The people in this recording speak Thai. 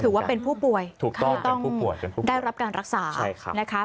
ถือว่าเป็นผู้ป่วยถูกต้องผู้ป่วยได้รับการรักษานะคะ